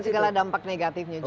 dan segala dampak negatifnya juga